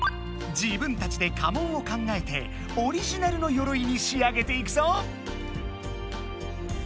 自分たちで家紋を考えてオリジナルのよろいに仕上げていくぞ！